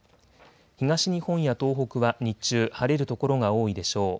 東日本や東北は日中、晴れる所が多いでしょう。